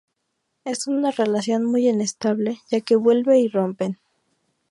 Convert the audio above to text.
Es una relación muy inestable ya que vuelve y rompen.